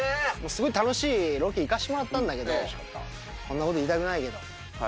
すごい楽しいロケ、行かせてもらったんですけど、こんなこと言いたくないけど。